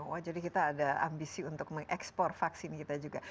wah jadi kita ada ambisi untuk mengekspor vaksin kita juga